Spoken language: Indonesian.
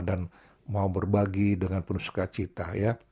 dan mau berbagi dengan penuh sukacita